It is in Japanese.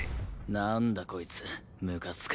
なんだこいつむかつく。